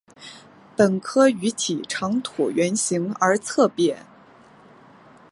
本科鱼体长椭圆形而侧扁。